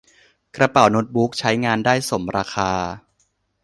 กระเป๋าโน๊ตบุ๊กใช้งานได้สมราคา